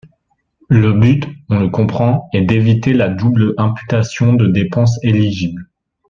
Le but, on le comprend, est d’éviter la double imputation de dépenses éligibles.